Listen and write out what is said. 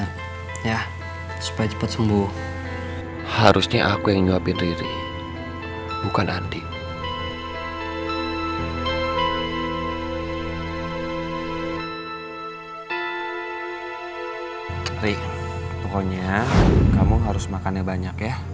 kamu harus makan yang banyak yaa